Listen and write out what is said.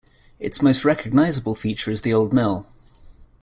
Its most recognisable feature is the old mill.